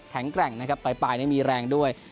แข็งแกร่งปลายมีแรงด้วย